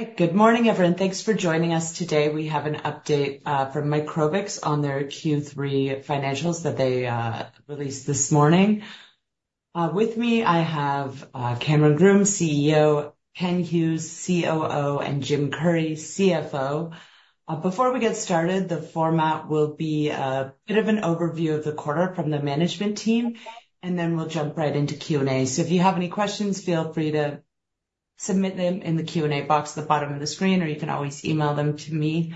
Hi, good morning, everyone. Thanks for joining us today. We have an update from Microbix on their Q3 financials that they released this morning. With me, I have Cameron Groome, CEO, Ken Hughes, COO, and Jim Currie, CFO. Before we get started, the format will be a bit of an overview of the quarter from the management team, and then we'll jump right into Q&A. So if you have any questions, feel free to submit them in the Q&A box at the bottom of the screen, or you can always email them to me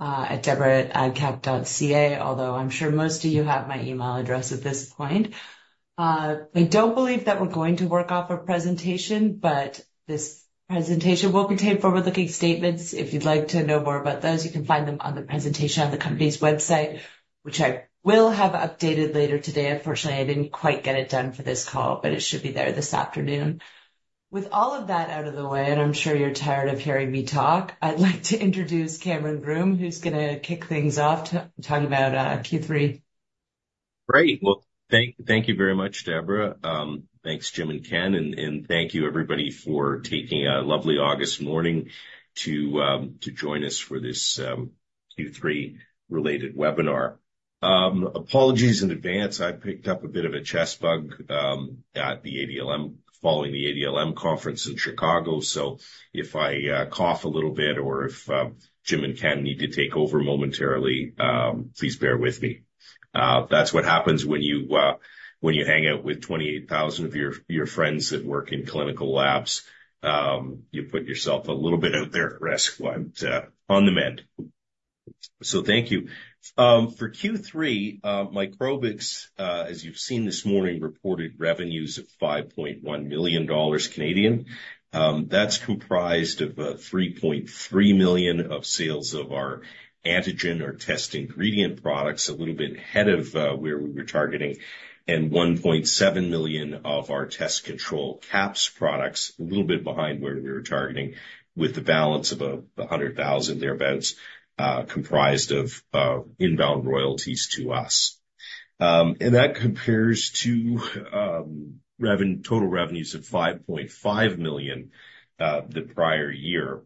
at deborah@cap.ca, although I'm sure most of you have my email address at this point. I don't believe that we're going to work off a presentation, but this presentation will contain forward-looking statements. If you'd like to know more about those, you can find them on the presentation on the company's website, which I will have updated later today. Unfortunately, I didn't quite get it done for this call, but it should be there this afternoon. With all of that out of the way, and I'm sure you're tired of hearing me talk, I'd like to introduce Cameron Groome, who's going to kick things off to talk about Q3. Great. Well, thank you very much, Deborah. Thanks, Jim and Ken, and thank you, everybody, for taking a lovely August morning to join us for this Q3 related webinar. Apologies in advance. I picked up a bit of a chest bug at the ADLM, following the ADLM conference in Chicago. So if I cough a little bit or if Jim and Ken need to take over momentarily, please bear with me. That's what happens when you hang out with 28,000 of your friends that work in clinical labs, you put yourself a little bit out there at risk. But on the mend. So thank you. For Q3, Microbix, as you've seen this morning, reported revenues of 5.1 million Canadian dollars. That's comprised of 3.3 million of sales of our antigen or test ingredient products, a little bit ahead of where we were targeting, and 1.7 million of our test control QAPs products, a little bit behind where we were targeting, with the balance of about 100,000 thereabouts comprised of inbound royalties to us. And that compares to total revenues of 5.5 million the prior year.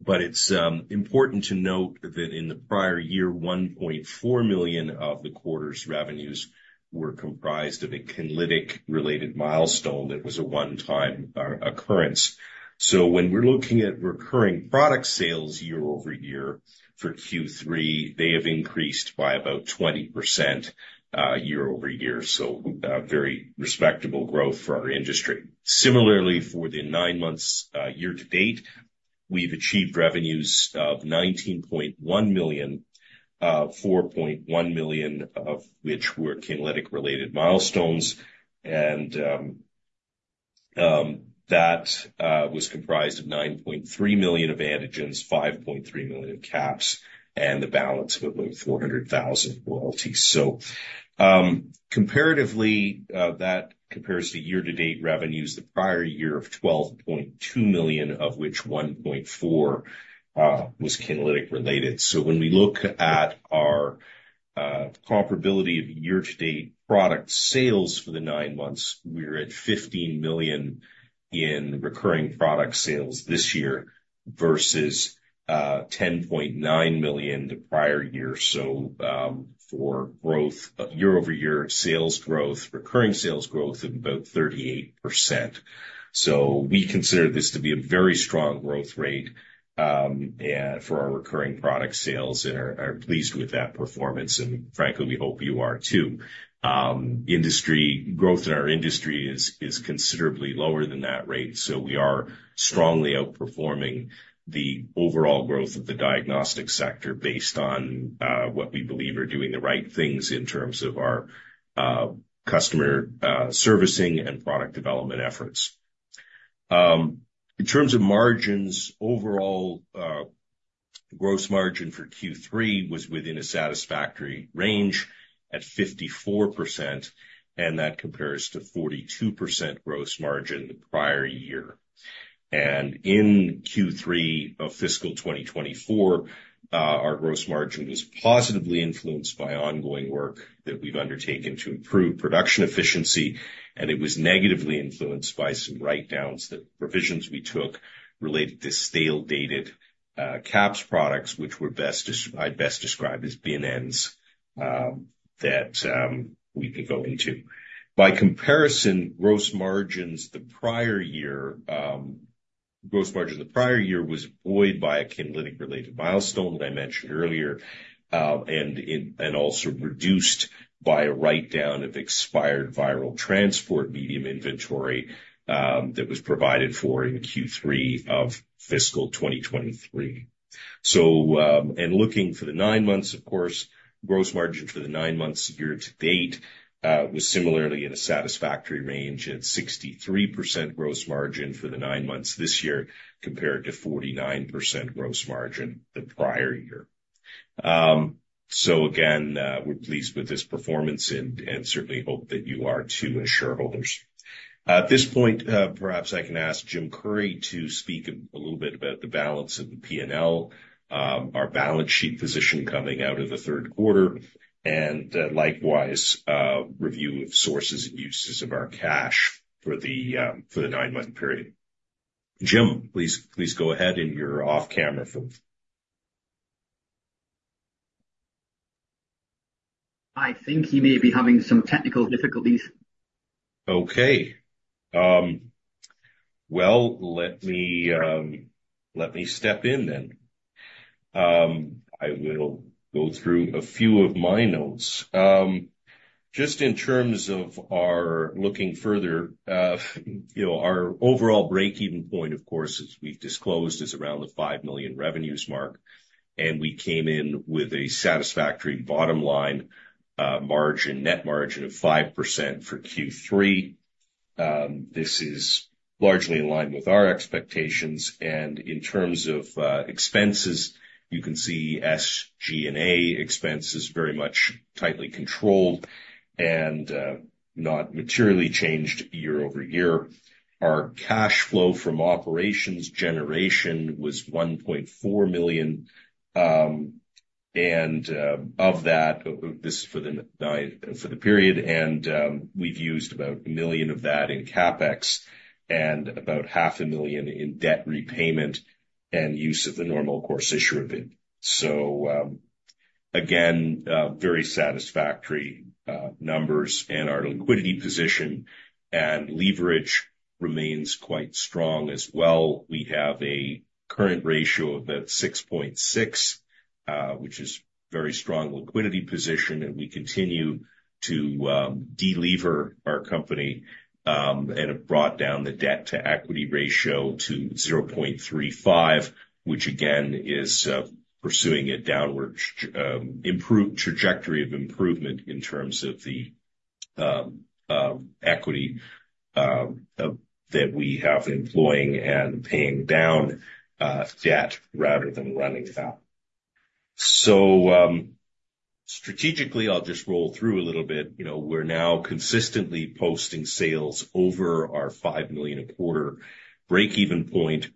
But it's important to note that in the prior year, 1.4 million of the quarter's revenues were comprised of a Kinlytic related milestone that was a one-time occurrence. So when we're looking at recurring product sales year-over-year for Q3, they have increased by about 20% year-over-year, so a very respectable growth for our industry. Similarly, for the nine months, year-to-date, we've achieved revenues of 19.1 million, 4.1 million of which were Kinlytic related milestones, and that was comprised of 9.3 million of antigens, 5.3 million of QAPs, and the balance of about 400,000 royalties. So, comparatively, that compares to year-to-date revenues the prior year of 12.2 million, of which 1.4 million was Kinlytic related. So when we look at our comparability of year-to-date product sales for the nine months, we're at 15 million in recurring product sales this year versus 10.9 million the prior year. So, for growth, year-over-year sales growth, recurring sales growth of about 38%. So we consider this to be a very strong growth rate, and for our recurring product sales and are pleased with that performance, and frankly, we hope you are too. Industry growth in our industry is considerably lower than that rate, so we are strongly outperforming the overall growth of the diagnostic sector based on what we believe are doing the right things in terms of our customer servicing and product development efforts. In terms of margins, overall, gross margin for Q3 was within a satisfactory range at 54%, and that compares to 42% gross margin the prior year. In Q3 of fiscal 2024, our gross margin was positively influenced by ongoing work that we've undertaken to improve production efficiency, and it was negatively influenced by some write-downs, the provisions we took related to stale-dated QAPs products, which I'd best describe as bin ends, that we can go into. By comparison, gross margins the prior year, gross margin the prior year was buoyed by a Kinlytic-related milestone that I mentioned earlier, and it, and also reduced by a write-down of expired viral transport medium inventory, that was provided for in Q3 of fiscal 2023. So, looking for the nine months, of course, gross margin for the nine months year to date was similarly in a satisfactory range at 63% gross margin for the nine months this year, compared to 49% gross margin the prior year. So again, we're pleased with this performance and, and certainly hope that you are too, as shareholders. At this point, perhaps I can ask Jim Currie to speak a little bit about the balance of the P&L, our balance sheet position coming out of the third quarter, and likewise, review of sources and uses of our cash for the for the nine-month period. Jim, please, please go ahead and you're off camera for-... I think he may be having some technical difficulties. Okay. Well, let me step in then. I will go through a few of my notes. Just in terms of our looking further, you know, our overall breakeven point, of course, as we've disclosed, is around the 5 million revenues mark, and we came in with a satisfactory bottom line, margin, net margin of 5% for Q3. This is largely in line with our expectations. And in terms of expenses, you can see SG&A expenses very much tightly controlled and not materially changed year-over-year. Our cash flow from operations generation was 1.4 million, and of that, this is for the nine-month period, and we've used about 1 million of that in CapEx and about 500,000 in debt repayment and use of the normal course issuer bid. So, again, very satisfactory numbers, and our liquidity position and leverage remains quite strong as well. We have a current ratio of about 6.6, which is very strong liquidity position, and we continue to de-lever our company, and have brought down the debt-to-equity ratio to 0.35, which again, is pursuing a downward trajectory of improvement in terms of the equity that we have employing and paying down debt rather than running down. So, strategically, I'll just roll through a little bit. You know, we're now consistently posting sales over our 5 million a quarter breakeven point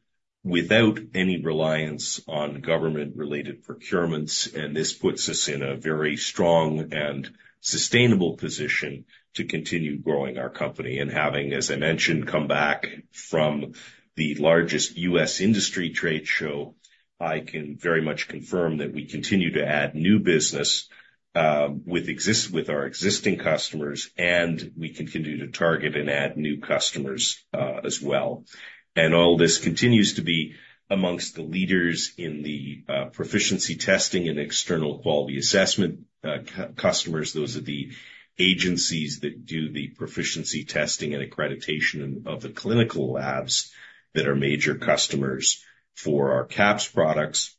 without any reliance on government-related procurements, and this puts us in a very strong and sustainable position to continue growing our company. Having, as I mentioned, come back from the largest U.S. industry trade show, I can very much confirm that we continue to add new business with our existing customers, and we continue to target and add new customers as well. All this continues to be amongst the leaders in the proficiency testing and external quality assessment customers. Those are the agencies that do the proficiency testing and accreditation of the clinical labs that are major customers for our QAPs products.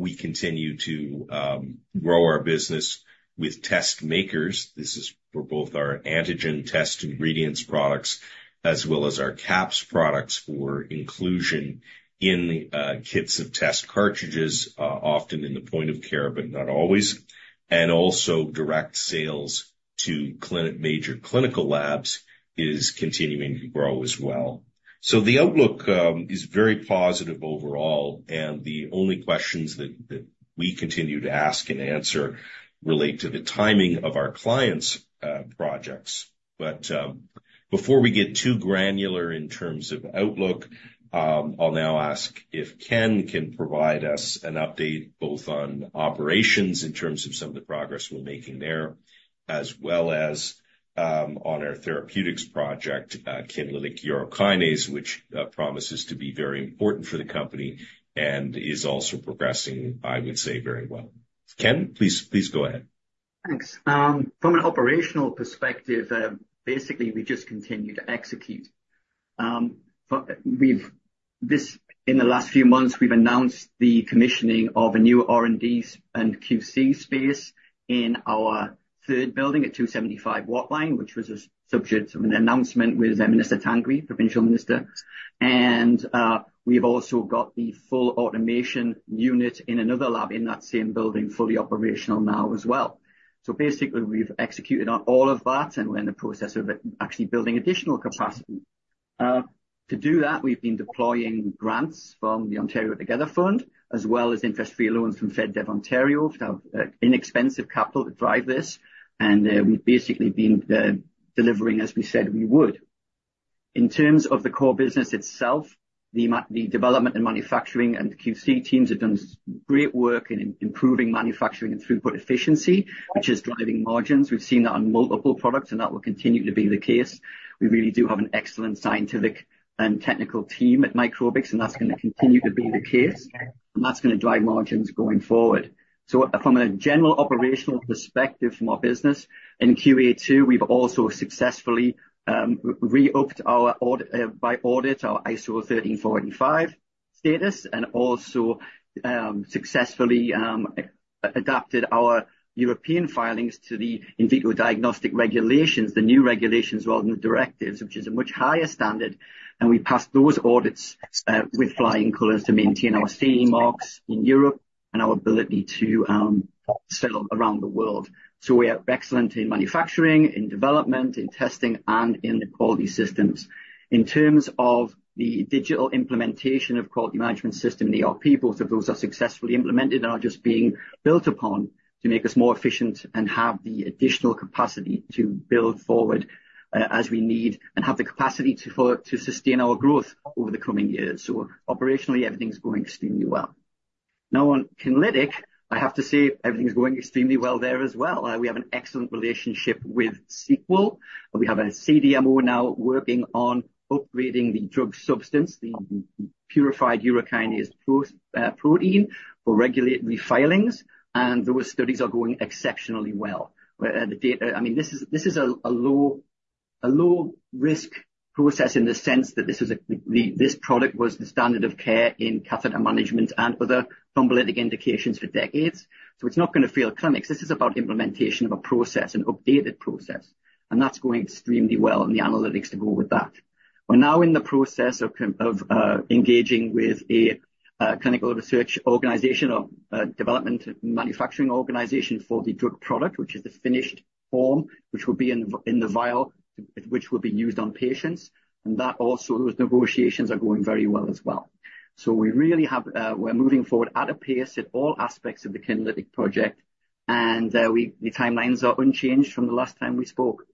We continue to grow our business with test makers. This is for both our antigen test ingredients products as well as our QAPs products for inclusion in the kits of test cartridges, often in the point of care, but not always. Also direct sales to clinic major clinical labs is continuing to grow as well. So the outlook is very positive overall, and the only questions that, that we continue to ask and answer relate to the timing of our clients', projects. But, before we get too granular in terms of outlook, I'll now ask if Ken can provide us an update, both on operations in terms of some of the progress we're making there, as well as, on our therapeutics project, Kinlytic urokinase, which, promises to be very important for the company and is also progressing, I would say, very well. Ken, please, please go ahead. Thanks. From an operational perspective, basically, we just continue to execute. But we've announced the commissioning of a new R&D and QC space in our third building at 275 Watline Avenue, which was a subject of an announcement with Minister Tangri, provincial minister. And we've also got the full automation unit in another lab in that same building, fully operational now as well. So basically, we've executed on all of that, and we're in the process of actually building additional capacity. To do that, we've been deploying grants from the Ontario Together Fund, as well as interest-free loans from FedDev Ontario to have inexpensive capital to drive this. And we've basically been delivering, as we said we would. In terms of the core business itself, the development and manufacturing and QC teams have done great work in improving manufacturing and throughput efficiency, which is driving margins. We've seen that on multiple products, and that will continue to be the case. We really do have an excellent scientific and technical team at Microbix, and that's going to continue to be the case, and that's going to drive margins going forward. So from a general operational perspective, from our business in Q2, we've also successfully re-audited our ISO 13485 status, and also successfully adapted our European filings to the In Vitro Diagnostic Regulations, the new regulations, rather than the directives, which is a much higher standard, and we passed those audits with flying colors to maintain our CE marks in Europe and our ability to sell around the world. So we are excellent in manufacturing, in development, in testing, and in the quality systems. In terms of the digital implementation of quality management system and the ERP, both of those are successfully implemented and are just being built upon to make us more efficient and have the additional capacity to build forward as we need, and have the capacity to sustain our growth over the coming years. So operationally, everything's going extremely well. Now, on Kinlytic, I have to say everything's going extremely well there as well. We have an excellent relationship with Sequel, and we have a CDMO now working on upgrading the drug substance, the purified urokinase protein for regulatory filings, and those studies are going exceptionally well. With the data, I mean, this is a low-risk process in the sense that this is the product was the standard of care in catheter management and other thrombolytic indications for decades. So it's not gonna fail clinics. This is about implementation of a process, an updated process, and that's going extremely well, and the analytics to go with that. We're now in the process of engaging with a clinical research organization or development and manufacturing organization for the drug product, which is the finished form, which will be in the vial, which will be used on patients. And that also, those negotiations are going very well as well. So we really have, we're moving forward at a pace in all aspects of the Kinlytic project, and the timelines are unchanged from the last time we spoke.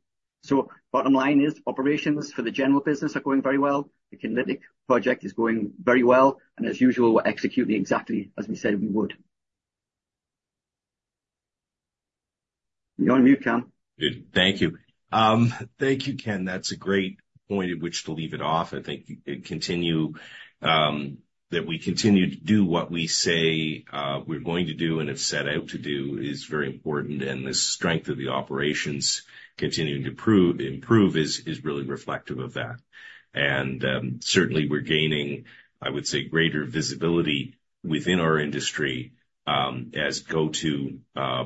So bottom line is, operations for the general business are going very well. The Kinlytic project is going very well, and as usual, we're executing exactly as we said we would. You're on mute, Cam. Thank you. Thank you, Ken. That's a great point at which to leave it off. I think that we continue to do what we say, we're going to do and have set out to do is very important, and the strength of the operations continuing to prove, improve is really reflective of that. Certainly we're gaining, I would say, greater visibility within our industry, as go-to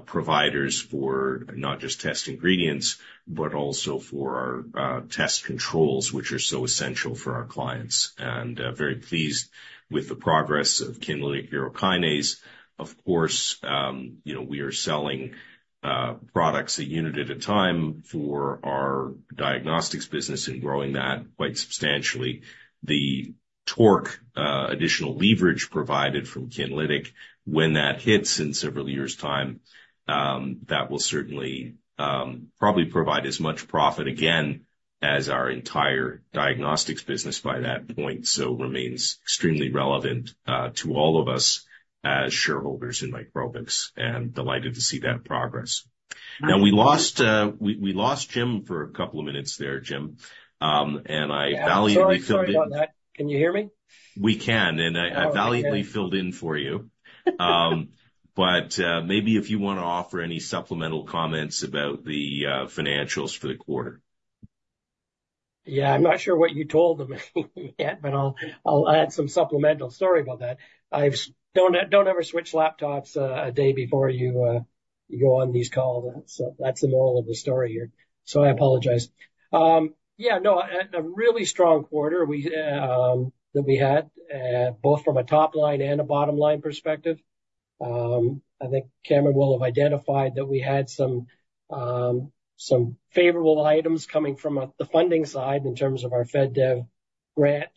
providers for not just test ingredients, but also for our test controls, which are so essential for our clients. Very pleased with the progress of Kinlytic urokinase. Of course, you know, we are selling products a unit at a time for our diagnostics business and growing that quite substantially. The torque, additional leverage provided from Kinlytic, when that hits in several years' time, that will certainly, probably provide as much profit again as our entire diagnostics business by that point. So remains extremely relevant, to all of us as shareholders in Microbix, and delighted to see that progress. Now, we lost Jim for a couple of minutes there, Jim, and I valiantly filled in- Sorry, sorry about that. Can you hear me? We can, and I- Oh, okay. I valiantly filled in for you. Maybe if you wanna offer any supplemental comments about the financials for the quarter. Yeah, I'm not sure what you told them yet, but I'll add some supplemental. Sorry about that. Don't ever switch laptops a day before you go on these calls. So that's the moral of the story here. So I apologize. Yeah, no, a really strong quarter that we had both from a top-line and a bottom-line perspective. I think Cameron will have identified that we had some favorable items coming from the funding side in terms of our FedDev grant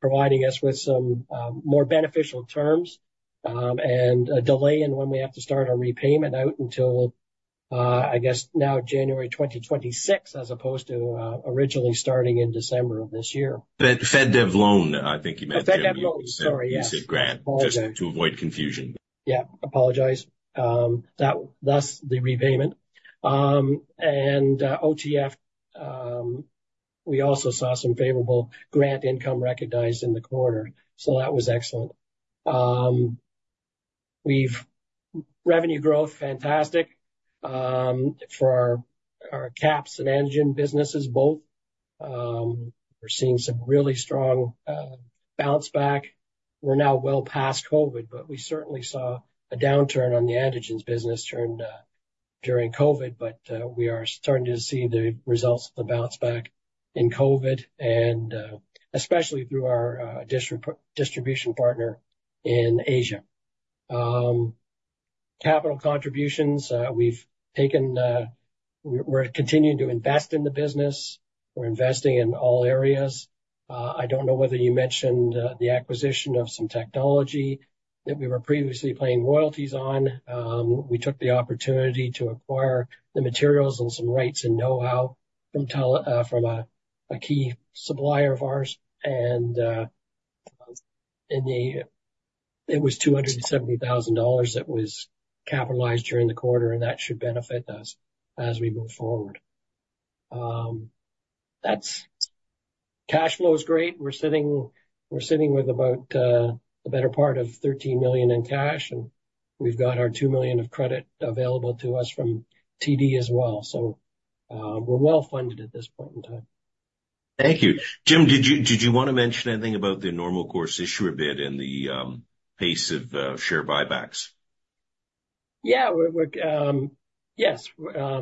providing us with some more beneficial terms, and a delay in when we have to start our repayment out until I guess now January 2026, as opposed to originally starting in December of this year. The FedDev loan, I think you meant- The FedDev loan. Sorry, yeah. You said grant, just to avoid confusion. Yeah, apologize. That, thus the repayment. OTF, we also saw some favorable grant income recognized in the quarter, so that was excellent. Revenue growth, fantastic, for our QAPs and antigen businesses both. We're seeing some really strong bounce back. We're now well past COVID, but we certainly saw a downturn on the antigens business during COVID, but we are starting to see the results of the bounce back in COVID and especially through our distribution partner in Asia. Capital contributions, we've taken, we're continuing to invest in the business. We're investing in all areas. I don't know whether you mentioned the acquisition of some technology that we were previously paying royalties on. We took the opportunity to acquire the materials and some rights and know-how from a key supplier of ours, and it was 270,000 dollars that was capitalized during the quarter, and that should benefit us as we move forward. That's cash flow is great. We're sitting with about a better part of 13 million in cash, and we've got our 2 million of credit available to us from TD as well. So, we're well-funded at this point in time. Thank you. Jim, did you, did you want to mention anything about the Normal Course Issuer Bid and the pace of share buybacks? Yeah, we're... Yes,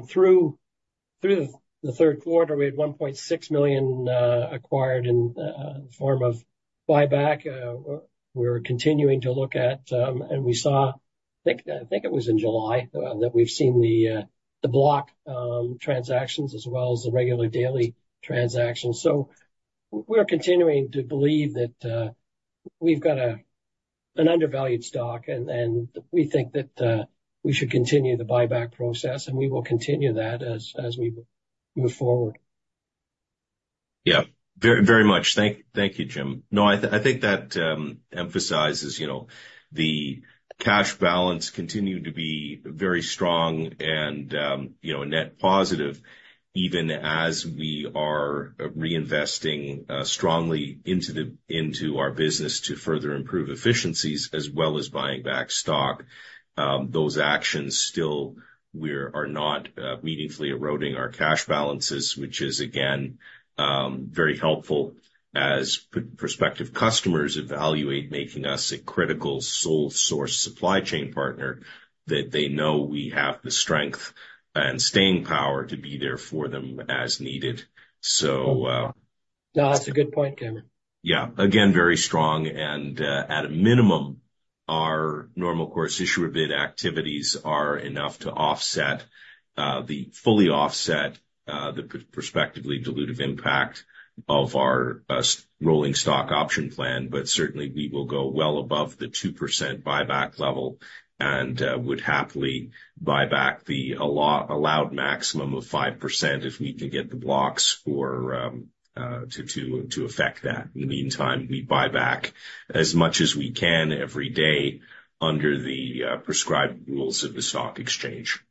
through the third quarter, we had 1.6 million acquired in the form of buyback. We're continuing to look at, and we saw, I think it was in July, that we've seen the block transactions as well as the regular daily transactions. So we're continuing to believe that we've got an undervalued stock, and we think that we should continue the buyback process, and we will continue that as we move forward.... Yeah, very, very much. Thank you, Jim. No, I think that emphasizes, you know, the cash balance continued to be very strong and, you know, net positive, even as we are reinvesting strongly into our business to further improve efficiencies as well as buying back stock. Those actions still we are not meaningfully eroding our cash balances, which is, again, very helpful as prospective customers evaluate making us a critical sole source supply chain partner, that they know we have the strength and staying power to be there for them as needed. So, No, that's a good point, Cameron. Yeah. Again, very strong, and at a minimum, our normal course issuer bid activities are enough to fully offset the prospectively dilutive impact of our rolling stock option plan. But certainly, we will go well above the 2% buyback level and would happily buy back the allowed maximum of 5% if we can get the blocks to effect that. In the meantime, we buy back as much as we can every day under the prescribed rules of the stock exchange.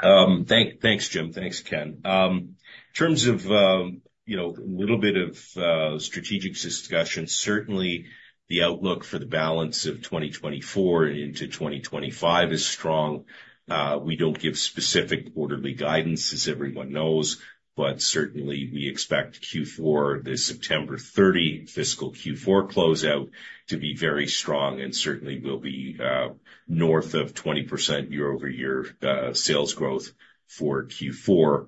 Thanks, Jim. Thanks, Ken. In terms of you know, a little bit of strategic discussion, certainly the outlook for the balance of 2024 into 2025 is strong. We don't give specific quarterly guidance, as everyone knows, but certainly we expect Q4, the September 30 fiscal Q4 closeout, to be very strong and certainly will be north of 20% year-over-year sales growth for Q4,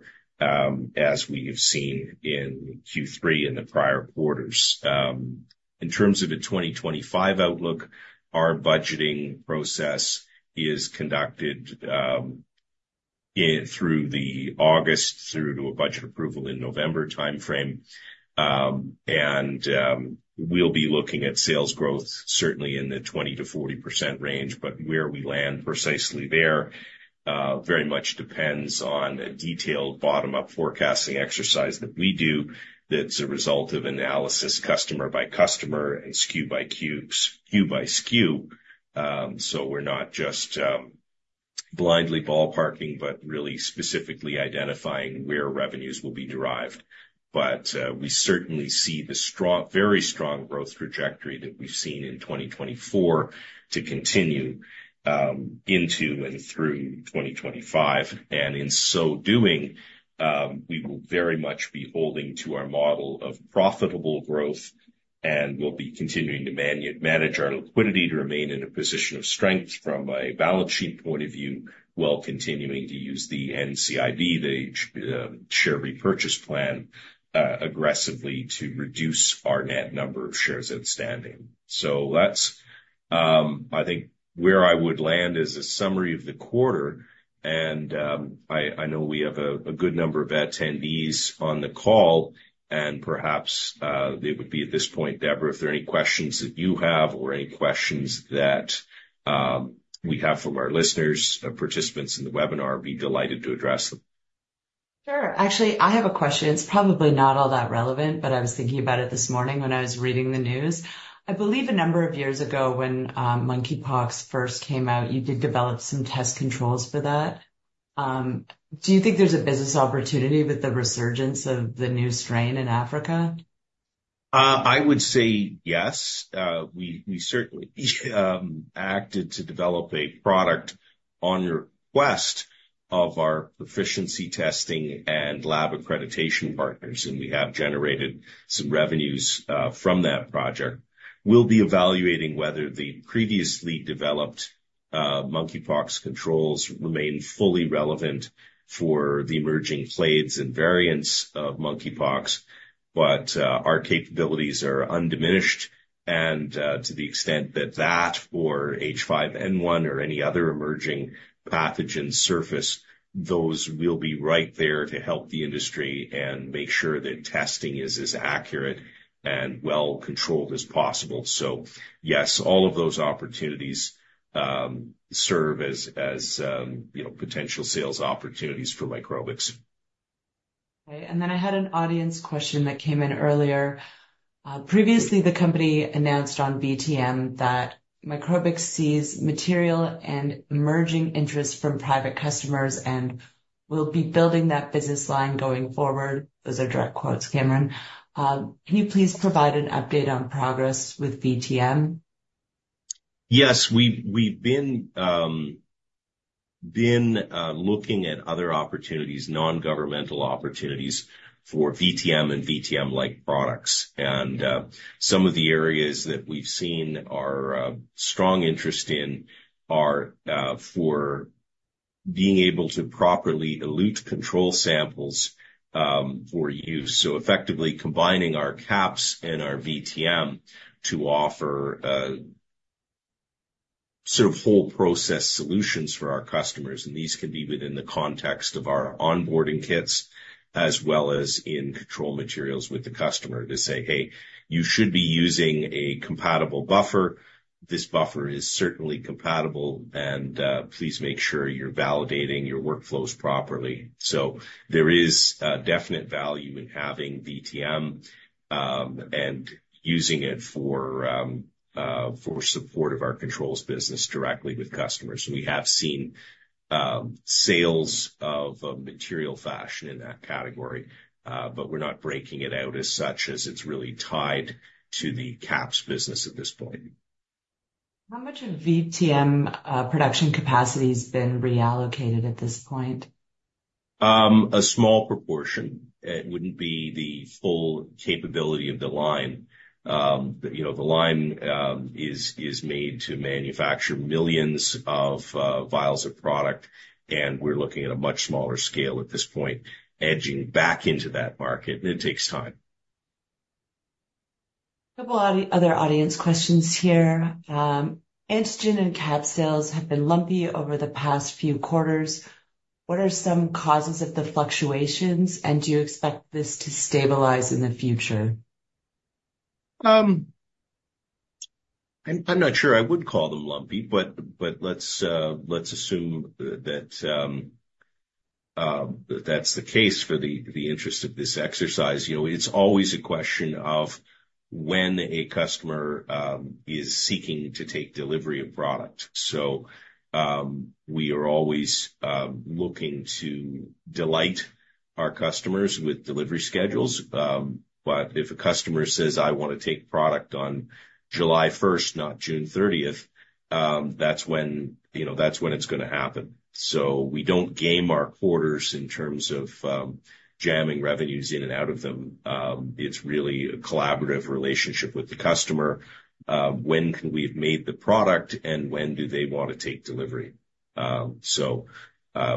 as we've seen in Q3 in the prior quarters. In terms of the 2025 outlook, our budgeting process is conducted in through the August through to a budget approval in November timeframe. And we'll be looking at sales growth, certainly in the 20%-40% range, but where we land precisely there very much depends on a detailed bottom-up forecasting exercise that we do that's a result of analysis, customer by customer and SKU by SKU. So we're not just blindly ballparking, but really specifically identifying where revenues will be derived. But, we certainly see the strong, very strong growth trajectory that we've seen in 2024 to continue, into and through 2025. And in so doing, we will very much be holding to our model of profitable growth, and we'll be continuing to manage our liquidity to remain in a position of strength from a balance sheet point of view, while continuing to use the NCIB, the, share repurchase plan, aggressively to reduce our net number of shares outstanding. So that's, I think, where I would land as a summary of the quarter. I know we have a good number of attendees on the call, and perhaps they would be at this point, Deborah, if there are any questions that you have or any questions that we have from our listeners or participants in the webinar. I'd be delighted to address them. Sure. Actually, I have a question. It's probably not all that relevant, but I was thinking about it this morning when I was reading the news. I believe a number of years ago, when Monkeypox first came out, you did develop some test controls for that. Do you think there's a business opportunity with the resurgence of the new strain in Africa? I would say yes. We certainly acted to develop a product on request of our proficiency testing and lab accreditation partners, and we have generated some revenues from that project. We'll be evaluating whether the previously developed monkeypox controls remain fully relevant for the emerging clades and variants of monkeypox, but our capabilities are undiminished. And to the extent that that or H5N1 or any other emerging pathogen surface, those we'll be right there to help the industry and make sure that testing is as accurate and well controlled as possible. So yes, all of those opportunities serve as you know potential sales opportunities for Microbix. Okay, and then I had an audience question that came in earlier. Previously, the company announced on VTM that Microbix sees material and emerging interest from private customers, and we'll be building that business line going forward. Those are direct quotes, Cameron. Can you please provide an update on progress with VTM? Yes, we've been looking at other opportunities, nongovernmental opportunities for VTM and VTM-like products. And some of the areas that we've seen strong interest in are for being able to properly elute control samples for use. So effectively combining our QAPs and our VTM to offer sort of whole process solutions for our customers, and these can be within the context of our onboarding kits, as well as in control materials with the customer to say, "Hey, you should be using a compatible buffer. This buffer is certainly compatible, and please make sure you're validating your workflows properly." So there is a definite value in having VTM and using it for support of our controls business directly with customers. We have seen sales in a material fashion in that category, but we're not breaking it out as such, as it's really tied to the QAPs business at this point. How much of VTM production capacity has been reallocated at this point? A small proportion. It wouldn't be the full capability of the line. You know, the line is made to manufacture millions of vials of product, and we're looking at a much smaller scale at this point, edging back into that market, and it takes time. A couple other audience questions here. Antigen and cap sales have been lumpy over the past few quarters. What are some causes of the fluctuations, and do you expect this to stabilize in the future? I'm not sure I would call them lumpy, but let's assume that that's the case for the interest of this exercise. You know, it's always a question of when a customer is seeking to take delivery of product. So, we are always looking to delight our customers with delivery schedules. But if a customer says, "I want to take product on July first, not June thirtieth," that's when, you know, that's when it's going to happen. So we don't game our quarters in terms of jamming revenues in and out of them. It's really a collaborative relationship with the customer. When can we have made the product, and when do they want to take delivery? So,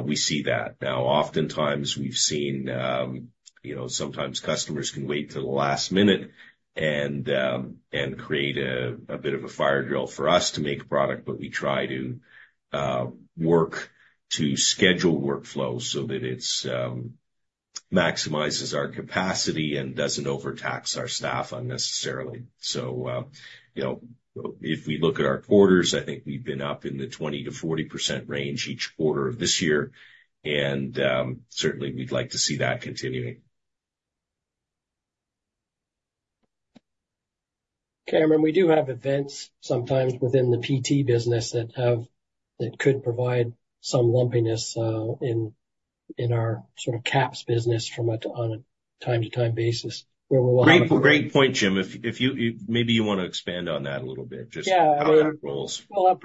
we see that. Now, oftentimes, we've seen, you know, sometimes customers can wait till the last minute and create a bit of a fire drill for us to make a product, but we try to work to schedule workflows so that it's maximizes our capacity and doesn't overtax our staff unnecessarily. So, you know, if we look at our quarters, I think we've been up in the 20%-40% range each quarter of this year, and certainly, we'd like to see that continuing. Cameron, we do have events sometimes within the PT business that could provide some lumpiness in our sort of QAPs business on a time-to-time basis, where we'll- Great, great point, Jim. If you maybe want to expand on that a little bit, just- Yeah. How that goes. Well, our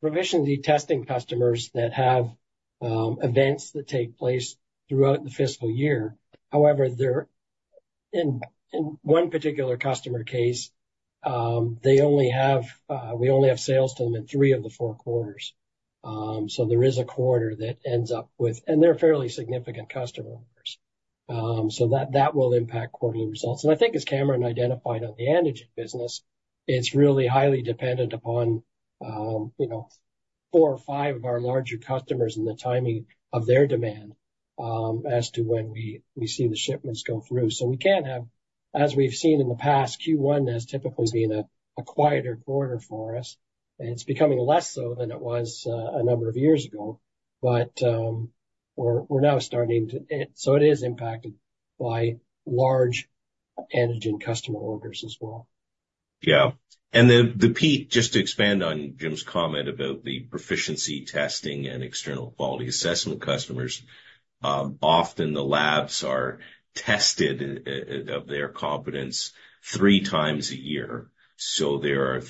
proficiency testing customers that have events that take place throughout the fiscal year. However, they're in one particular customer case, they only have, we only have sales to them in three of the four quarters. So there is a quarter that ends up with... And they're a fairly significant customer, so that will impact quarterly results. And I think as Cameron identified on the antigen business, it's really highly dependent upon, you know, four or five of our larger customers and the timing of their demand, as to when we see the shipments go through. So we can have, as we've seen in the past, Q1 has typically been a quieter quarter for us, and it's becoming less so than it was a number of years ago. But, we're now starting to, so it is impacted by large antigen customer orders as well. Yeah. And the peak, just to expand on Jim's comment about the proficiency testing and external quality assessment customers, often the labs are tested of their competence 3 times a year. So there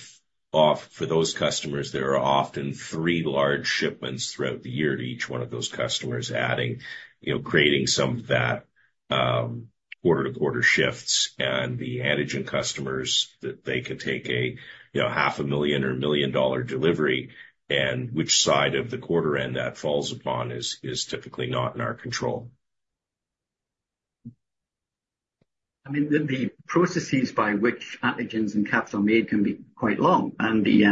are, for those customers, there are often 3 large shipments throughout the year to each one of those customers, adding, you know, creating some of that quarter-to-quarter shifts. And the antigen customers, that they can take a, you know, 500,000 or a 1 million dollar delivery, and which side of the quarter end that falls upon is typically not in our control. I mean, the processes by which antigens and QAPs are made can be quite long, and the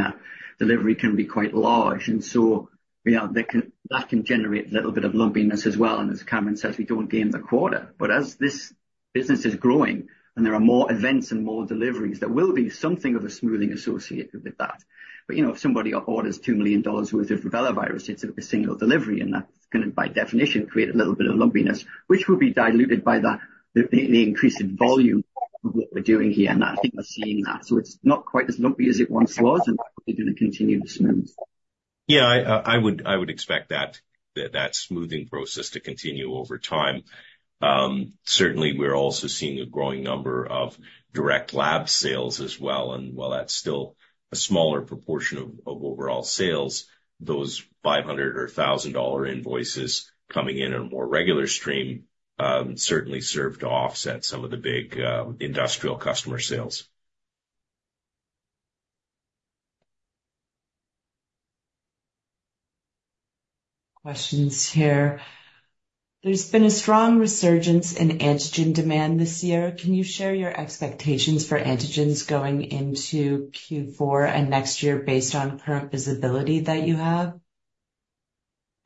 delivery can be quite large. And so, you know, they can, that can generate a little bit of lumpiness as well, and as Cameron says, we don't game the quarter. But as this business is growing and there are more events and more deliveries, there will be something of a smoothing associated with that. But, you know, if somebody orders 2 million dollars worth of Rubella virus, it's a single delivery, and that's gonna, by definition, create a little bit of lumpiness, which will be diluted by the increase in volume of what we're doing here, and I think we're seeing that. So it's not quite as lumpy as it once was, and it's going to continue to smooth. Yeah, I would expect that smoothing process to continue over time. Certainly, we're also seeing a growing number of direct lab sales as well, and while that's still a smaller proportion of overall sales, those 500 or 1,000-dollar invoices coming in on a more regular stream certainly serve to offset some of the big industrial customer sales.... Questions here. There's been a strong resurgence in antigen demand this year. Can you share your expectations for antigens going into Q4 and next year based on current visibility that you have?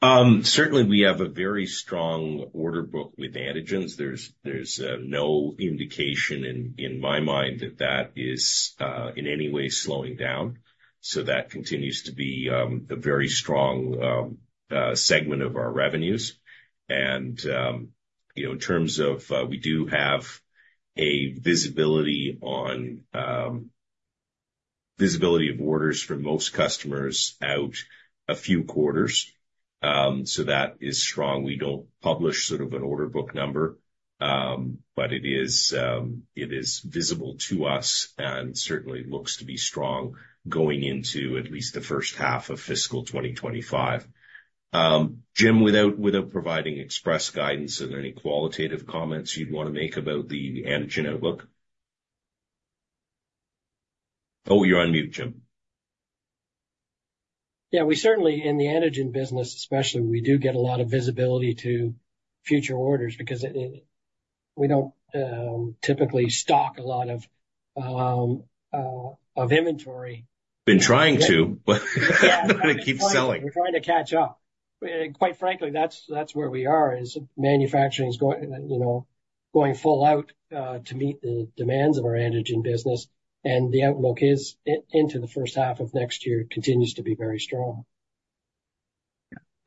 Certainly, we have a very strong order book with antigens. There's, there's no indication in, in my mind that that is in any way slowing down. So that continues to be a very strong segment of our revenues. And, you know, in terms of, we do have a visibility on visibility of orders for most customers out a few quarters. So that is strong. We don't publish sort of an order book number, but it is visible to us and certainly looks to be strong going into at least the first half of fiscal 2025. Jim, without providing express guidance, are there any qualitative comments you'd want to make about the antigen outlook? Oh, you're on mute, Jim. Yeah, we certainly, in the antigen business, especially, we do get a lot of visibility to future orders because it, we don't typically stock a lot of inventory. Been trying to, but it keeps selling. We're trying to catch up. Quite frankly, that's, that's where we are, is manufacturing is going, you know, going full out, to meet the demands of our antigen business, and the outlook is into the first half of next year, continues to be very strong.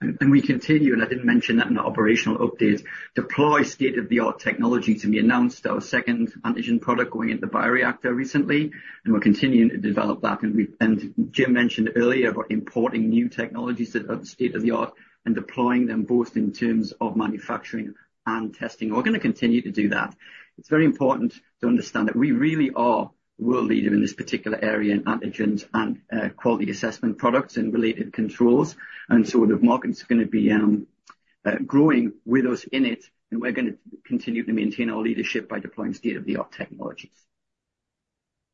And we continue, and I didn't mention that in the operational update, to deploy state-of-the-art technology, to be announced, our second antigen product going into the bioreactor recently, and we're continuing to develop that. And Jim mentioned earlier about importing new technologies that are state-of-the-art and deploying them both in terms of manufacturing and testing. We're going to continue to do that. It's very important to understand that we really are world leader in this particular area in antigens and quality assessment products and related controls. And so the market is going to be growing with us in it, and we're going to continue to maintain our leadership by deploying state-of-the-art technologies.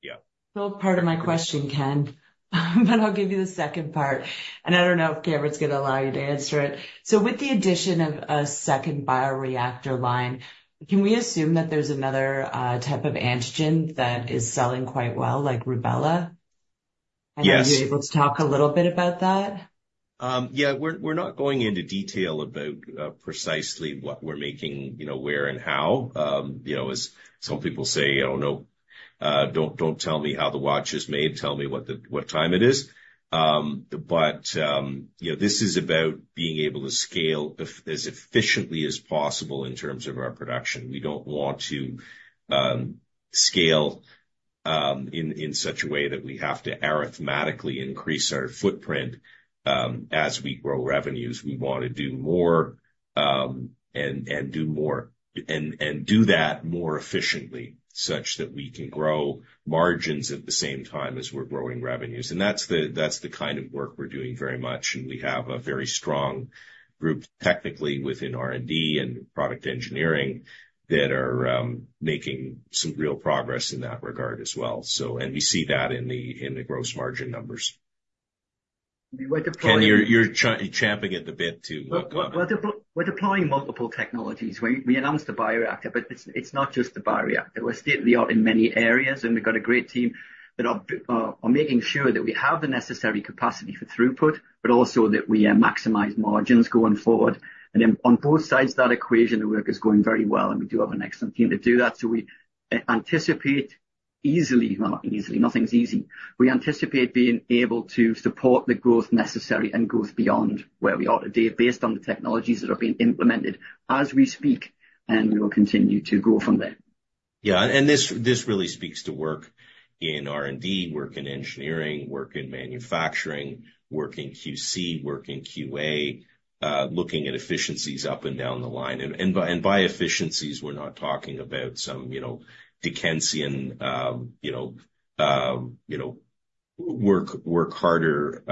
Yeah. Well, part of my question, Ken, but I'll give you the second part, and I don't know if Cameron's going to allow you to answer it. So with the addition of a second bioreactor line, can we assume that there's another type of antigen that is selling quite well, like Rubella? Yes. Are you able to talk a little bit about that? Yeah, we're not going into detail about precisely what we're making, you know, where and how. You know, as some people say, oh, no, don't tell me how the watch is made, tell me what time it is. But, you know, this is about being able to scale as efficiently as possible in terms of our production. We don't want to scale in such a way that we have to arithmetically increase our footprint as we grow revenues. We want to do more and do that more efficiently such that we can grow margins at the same time as we're growing revenues. That's the kind of work we're doing very much, and we have a very strong group, technically, within R&D and product engineering that are making some real progress in that regard as well. So we see that in the gross margin numbers. We were deploying- Ken, you're champing at the bit to go on. We're deploying multiple technologies. We announced the bioreactor, but it's not just the bioreactor. We're state of the art in many areas, and we've got a great team that are making sure that we have the necessary capacity for throughput, but also that we maximize margins going forward. And then on both sides of that equation, the work is going very well, and we do have an excellent team to do that. So we anticipate easily, well, not easily, nothing's easy. We anticipate being able to support the growth necessary and growth beyond where we are today, based on the technologies that are being implemented as we speak, and we will continue to grow from there. Yeah, and this, this really speaks to work in R&D, work in engineering, work in manufacturing, work in QC, work in QA, looking at efficiencies up and down the line. And by efficiencies, we're not talking about some, you know, Dickensian, work harder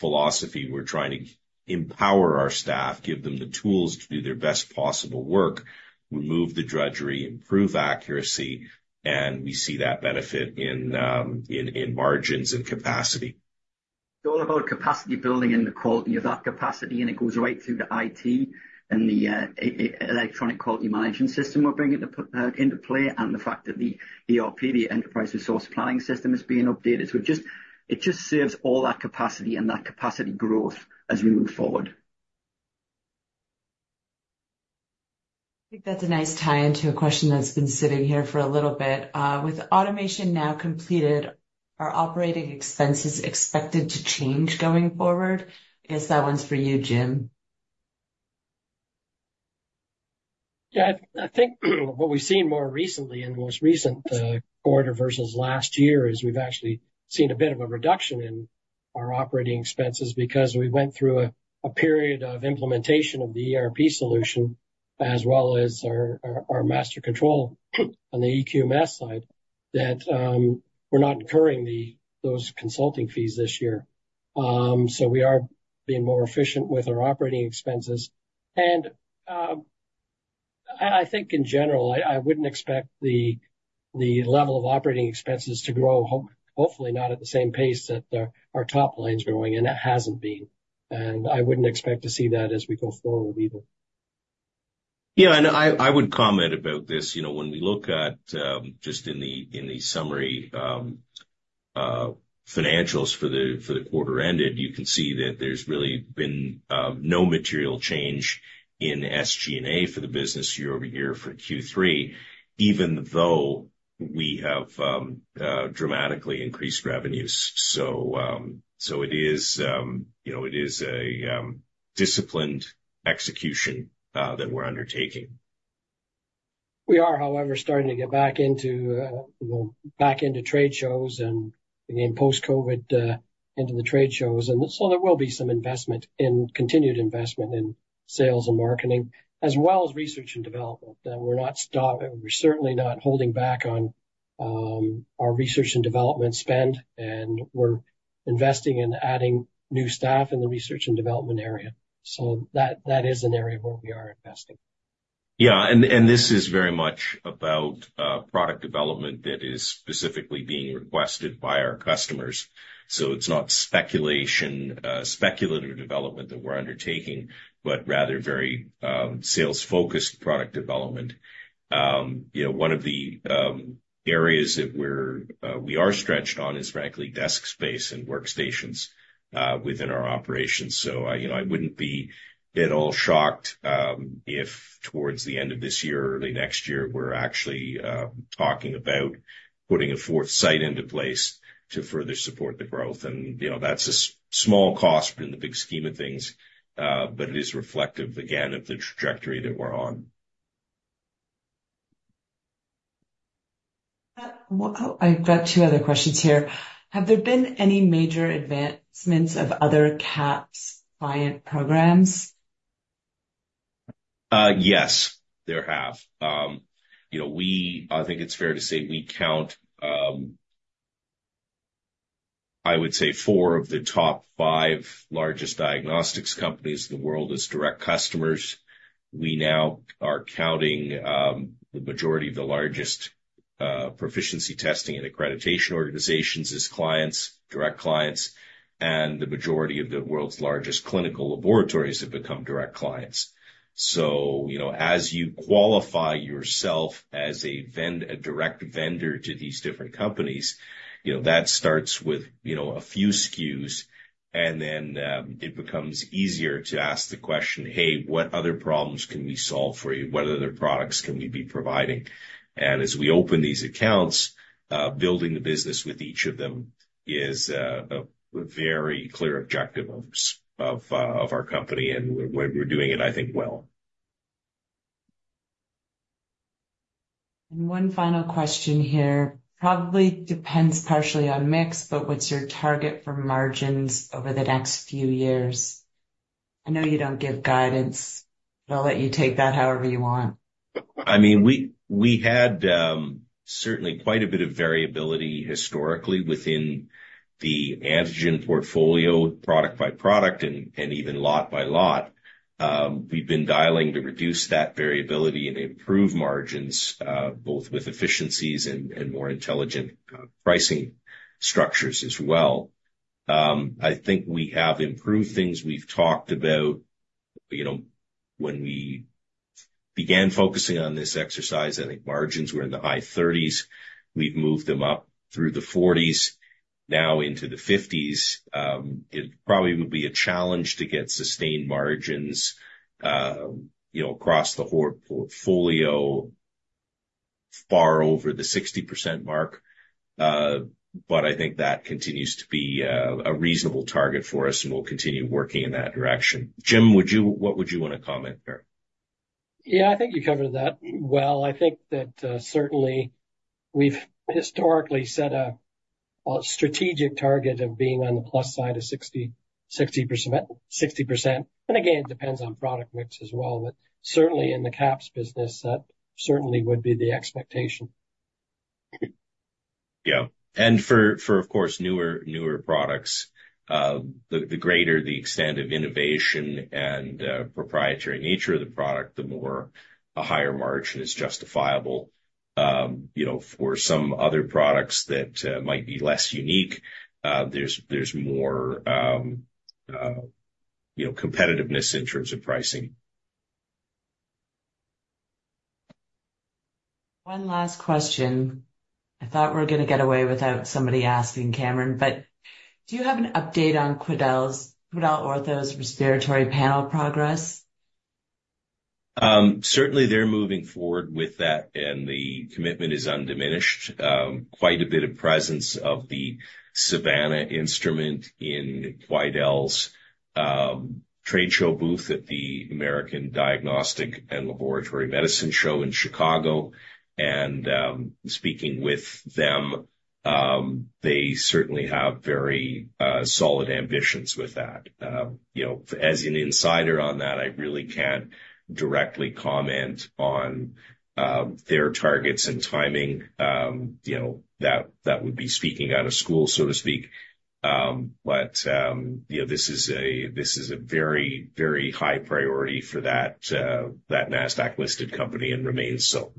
philosophy. We're trying to empower our staff, give them the tools to do their best possible work, remove the drudgery, improve accuracy, and we see that benefit in margins and capacity. It's all about capacity building and the quality of that capacity, and it goes right through to IT and the electronic quality management system we're bringing into play, and the fact that the ERP, the enterprise resource planning system, is being updated. So it just serves all that capacity and that capacity growth as we move forward. I think that's a nice tie into a question that's been sitting here for a little bit. With automation now completed, are operating expenses expected to change going forward? I guess that one's for you, Jim. Yeah. I think what we've seen more recently, in the most recent quarter versus last year, is we've actually seen a bit of a reduction in our operating expenses because we went through a period of implementation of the ERP solution, as well as our master control on the EQMS side, that we're not incurring those consulting fees this year. So we are being more efficient with our operating expenses. I think in general, I wouldn't expect the level of operating expenses to grow, hopefully not at the same pace that our top line's growing, and it hasn't been, and I wouldn't expect to see that as we go forward either. Yeah, and I would comment about this. You know, when we look at just in the summary financials for the quarter ended, you can see that there's really been no material change in SG&A for the business year over year for Q3, even though we have dramatically increased revenues. So, so it is, you know, it is a disciplined execution that we're undertaking. We are, however, starting to get back into, well, back into trade shows and again, post-COVID, into the trade shows. And so there will be some continued investment in sales and marketing, as well as research and development, that we're certainly not holding back on, our research and development spend, and we're investing in adding new staff in the research and development area. So that, that is an area where we are investing. Yeah, and this is very much about product development that is specifically being requested by our customers. So it's not speculation, speculative development that we're undertaking, but rather very sales-focused product development. You know, one of the areas that we're stretched on is frankly, desk space and workstations within our operations. So you know, I wouldn't be at all shocked if towards the end of this year or early next year, we're actually talking about putting a fourth site into place to further support the growth. And you know, that's a small cost in the big scheme of things, but it is reflective, again, of the trajectory that we're on. Well, I've got two other questions here. Have there been any major advancements of other QAPs client programs? Yes, there have. You know, I think it's fair to say we count, I would say 4 of the top 5 largest diagnostics companies in the world as direct customers. We now are counting, the majority of the largest, proficiency testing and accreditation organizations as clients, direct clients, and the majority of the world's largest clinical laboratories have become direct clients. So, you know, as you qualify yourself as a direct vendor to these different companies, you know, that starts with, you know, a few SKUs, and then, it becomes easier to ask the question, "Hey, what other problems can we solve for you? “What other products can we be providing?” And as we open these accounts, building the business with each of them is a very clear objective of our company, and we're doing it, I think, well. One final question here, probably depends partially on mix, but what's your target for margins over the next few years? I know you don't give guidance, but I'll let you take that however you want. I mean, we had certainly quite a bit of variability historically within the antigen portfolio, product by product, and even lot by lot. We've been dialing to reduce that variability and improve margins, both with efficiencies and more intelligent pricing structures as well. I think we have improved things we've talked about. You know, when we began focusing on this exercise, I think margins were in the high 30s%. We've moved them up through the 40s%, now into the 50s%. It probably would be a challenge to get sustained margins, you know, across the whole portfolio, far over the 60% mark. But I think that continues to be a reasonable target for us, and we'll continue working in that direction. Jim, would you—what would you want to comment here? Yeah, I think you covered that well. I think that, certainly we've historically set a strategic target of being on the plus side of 60, 60%, 60%, and again, it depends on product mix as well, but certainly in the QAPs business, that certainly would be the expectation. Yeah. And for, of course, newer products, the greater the extent of innovation and proprietary nature of the product, the more a higher margin is justifiable. You know, for some other products that might be less unique, there's more, you know, competitiveness in terms of pricing. One last question. I thought we were gonna get away without somebody asking Cameron, but do you have an update on Quidel's, QuidelOrtho's respiratory panel progress? Certainly, they're moving forward with that, and the commitment is undiminished. Quite a bit of presence of the Savanna instrument in Quidel's trade show booth at the Association for Diagnostics and Laboratory Medicine Show in Chicago. Speaking with them, they certainly have very solid ambitions with that. You know, as an insider on that, I really can't directly comment on their targets and timing. You know, that would be speaking out of school, so to speak. You know, this is a very, very high priority for that NASDAQ-listed company and remains so.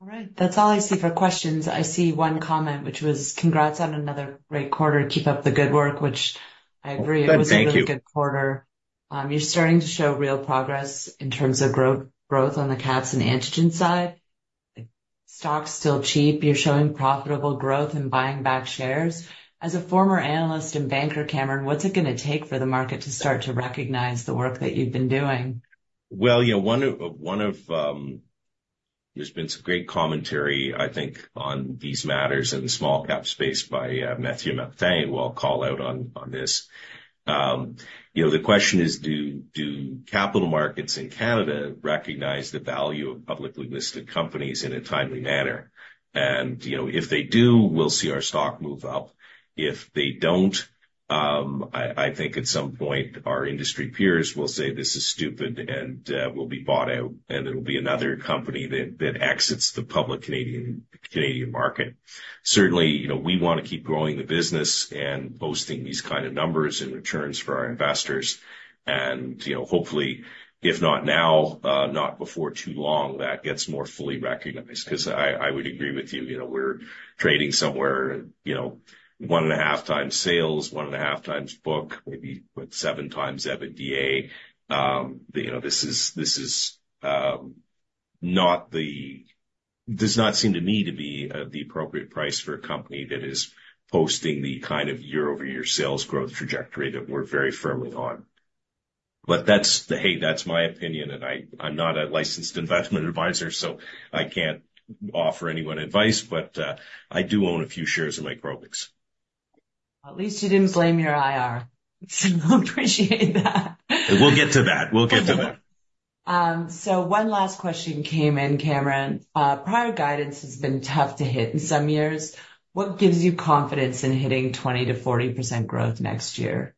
All right. That's all I see for questions. I see one comment, which was, "Congrats on another great quarter. Keep up the good work." Which I agree- Thank you. It was a really good quarter. You're starting to show real progress in terms of growth, growth on the QAPs and antigen side. Stock's still cheap. You're showing profitable growth and buying back shares. As a former analyst and banker, Cameron, what's it gonna take for the market to start to recognize the work that you've been doing? Well, you know, there's been some great commentary, I think, on these matters in the small cap space by Matthew Mountain, who I'll call out on this. You know, the question is: Do capital markets in Canada recognize the value of publicly listed companies in a timely manner? And, you know, if they do, we'll see our stock move up. If they don't, I think at some point, our industry peers will say, "This is stupid," and we'll be bought out, and it'll be another company that exits the public Canadian market. Certainly, you know, we wanna keep growing the business and posting these kind of numbers and returns for our investors. And, you know, hopefully, if not now, not before too long, that gets more fully recognized. Because I would agree with you, you know, we're trading somewhere, you know, 1.5 times sales, 1.5 times book, maybe, what, 7 times EBITDA. You know, this is not the- does not seem to me to be the appropriate price for a company that is posting the kind of year-over-year sales growth trajectory that we're very firmly on. But that's, hey, that's my opinion, and I, I'm not a licensed investment advisor, so I can't offer anyone advice, but I do own a few shares of Microbix. At least you didn't blame your IR. So I appreciate that. We'll get to that. We'll get to that. So one last question came in, Cameron. Prior guidance has been tough to hit in some years. What gives you confidence in hitting 20%-40% growth next year?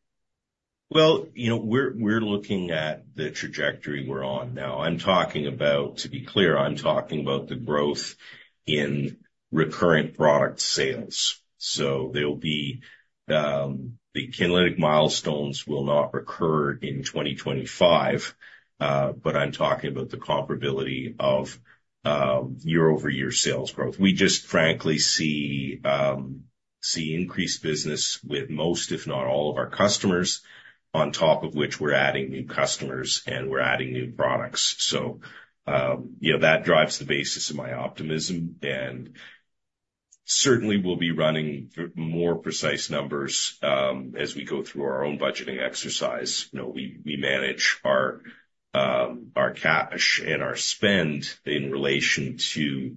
Well, you know, we're looking at the trajectory we're on now. I'm talking about, to be clear, I'm talking about the growth in recurring product sales. So there'll be the Kinlytic milestones will not recur in 2025, but I'm talking about the comparability of year-over-year sales growth. We just frankly see increased business with most, if not all, of our customers, on top of which we're adding new customers, and we're adding new products. So, you know, that drives the basis of my optimism, and certainly, we'll be running more precise numbers as we go through our own budgeting exercise. You know, we manage our cash and our spend in relation to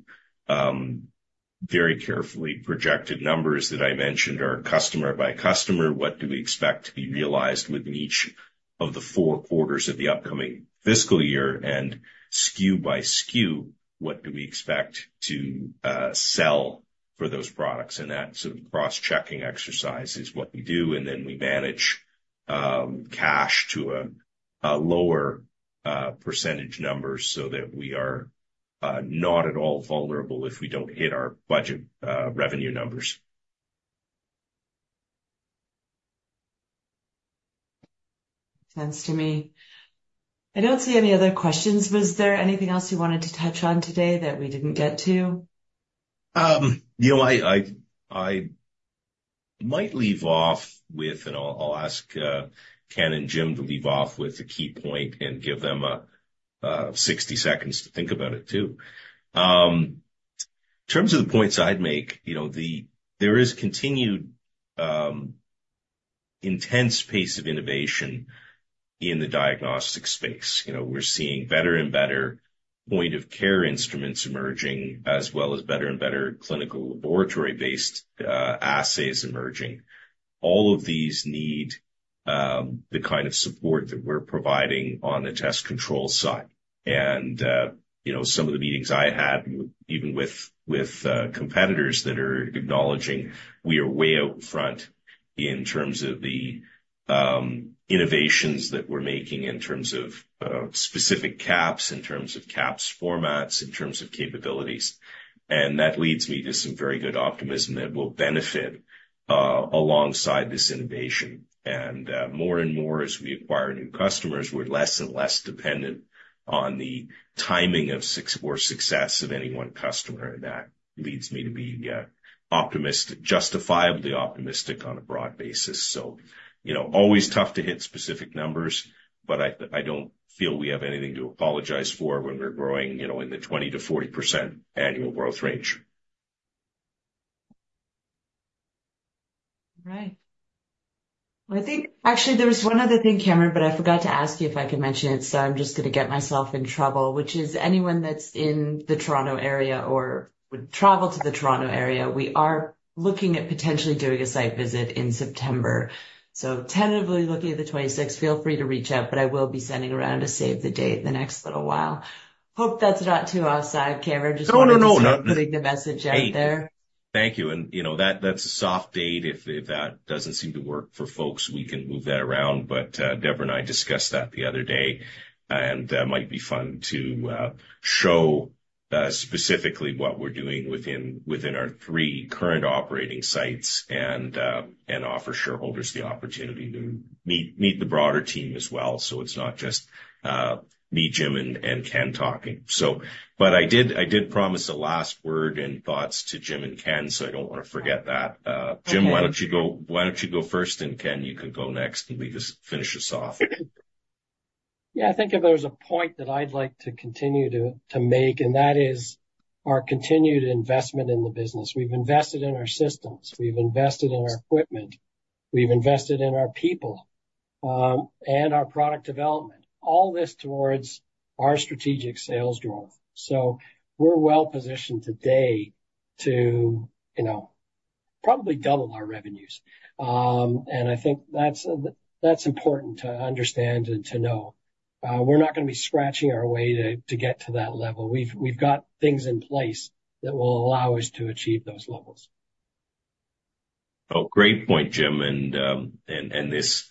very carefully projected numbers that I mentioned are customer by customer, what do we expect to be realized within each of the four quarters of the upcoming fiscal year? And SKU by SKU, what do we expect to sell for those products? And that sort of cross-checking exercise is what we do, and then we manage cash to a lower percentage number so that we are not at all vulnerable if we don't hit our budget revenue numbers. Makes sense to me. I don't see any other questions. Was there anything else you wanted to touch on today that we didn't get to? You know, I might leave off with, and I'll ask Ken and Jim to leave off with the key point and give them 60 seconds to think about it, too. In terms of the points I'd make, you know, there is continued intense pace of innovation in the diagnostic space. You know, we're seeing better and better point-of-care instruments emerging, as well as better and better clinical laboratory-based assays emerging. All of these need the kind of support that we're providing on the test control side. And, you know, some of the meetings I had, even with competitors that are acknowledging we are way out front in terms of the innovations that we're making, in terms of specific QAPs, in terms of QAPs formats, in terms of capabilities. That leads me to some very good optimism that we'll benefit, alongside this innovation. And, more and more, as we acquire new customers, we're less and less dependent on the timing of success or success of any one customer. That leads me to be, optimistic, justifiably optimistic on a broad basis. So, you know, always tough to hit specific numbers, but I, I don't feel we have anything to apologize for when we're growing, you know, in the 20%-40% annual growth range. Right. Well, I think, actually, there was one other thing, Cameron, but I forgot to ask you if I could mention it, so I'm just gonna get myself in trouble, which is anyone that's in the Toronto area or would travel to the Toronto area, we are looking at potentially doing a site visit in September. So tentatively looking at the 26th. Feel free to reach out, but I will be sending around a save the date in the next little while. Hope that's not too offside, Cameron. No, no, no. Just putting the message out there. Thank you. And, you know, that, that's a soft date. If that doesn't seem to work for folks, we can move that around. But Deborah and I discussed that the other day, and that might be fun to show specifically what we're doing within our three current operating sites, and offer shareholders the opportunity to meet the broader team as well. So it's not just me, Jim, and Ken talking. But I did promise a last word and thoughts to Jim and Ken, so I don't want to forget that. Okay. Jim, why don't you go, why don't you go first, and Ken, you can go next, and we just finish this off. Yeah, I think if there's a point that I'd like to continue to make, and that is our continued investment in the business. We've invested in our systems, we've invested in our equipment, we've invested in our people, and our product development, all this towards our strategic sales growth. So we're well positioned today to, you know, probably double our revenues. And I think that's important to understand and to know. We're not gonna be scratching our way to get to that level. We've got things in place that will allow us to achieve those levels. Oh, great point, Jim. And this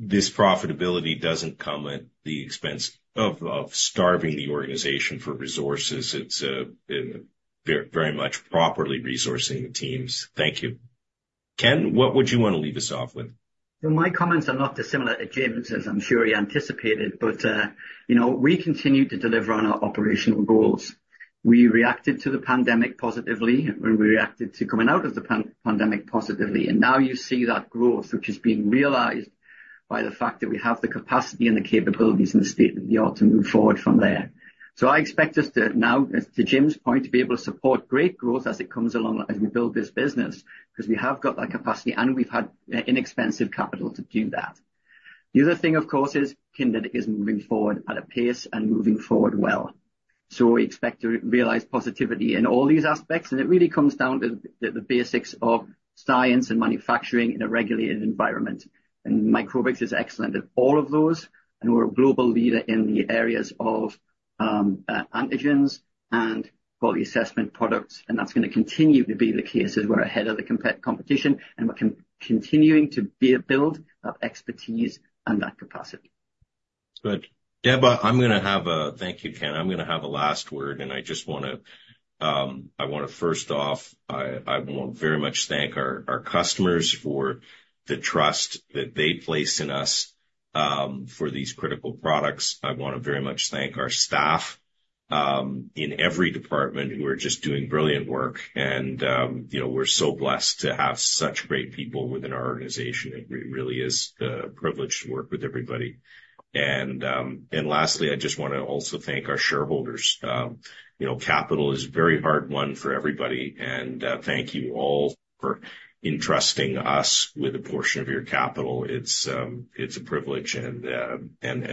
profitability doesn't come at the expense of starving the organization for resources. It's very much properly resourcing the teams. Thank you. Ken, what would you want to leave us off with? Well, my comments are not dissimilar to Jim's, as I'm sure he anticipated. But, you know, we continue to deliver on our operational goals. We reacted to the pandemic positively, and we reacted to coming out of the pandemic positively, and now you see that growth, which is being realized by the fact that we have the capacity and the capabilities and the state of the art to move forward from there. So I expect us to now, as to Jim's point, to be able to support great growth as it comes along, as we build this business, because we have got that capacity, and we've had inexpensive capital to do that. The other thing, of course, is Kinlytic is moving forward at a pace and moving forward well. So we expect to realize positivity in all these aspects, and it really comes down to the basics of science and manufacturing in a regulated environment. And Microbix is excellent at all of those, and we're a global leader in the areas of antigens and quality assessment products, and that's gonna continue to be the case, as we're ahead of the competition, and we're continuing to build our expertise and that capacity. Good. Deborah, Thank you, Ken. I'm gonna have a last word, and I just want to, I wanna first off, I want to very much thank our customers for the trust that they place in us, for these critical products. I want to very much thank our staff, in every department, who are just doing brilliant work, and, you know, we're so blessed to have such great people within our organization. It really is a privilege to work with everybody. And lastly, I just want to also thank our shareholders. You know, capital is a very hard one for everybody, and thank you all for entrusting us with a portion of your capital. It's a privilege, and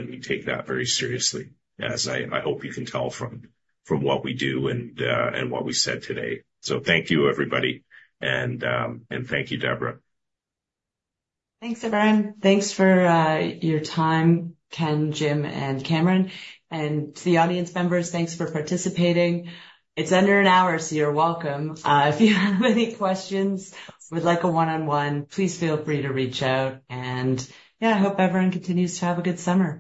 we take that very seriously, as I hope you can tell from what we do and what we said today. So thank you, everybody, and thank you, Debra. Thanks, everyone. Thanks for your time, Ken, Jim, and Cameron. And to the audience members, thanks for participating. It's under an hour, so you're welcome. If you have any questions, would like a one-on-one, please feel free to reach out, and yeah, I hope everyone continues to have a good summer.